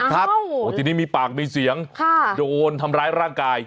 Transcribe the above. ครับทีนี้มีปากมีเสียงโดนทำร้ายร่างกาย